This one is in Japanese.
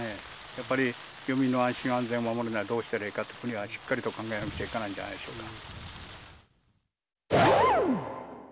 やっぱり漁民の安心安全を守るためにはどうしたらいいかと、国はしっかりと考えなければいけないんじゃないでしょうか。